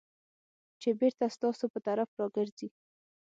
چې بېرته ستاسو په طرف راګرځي .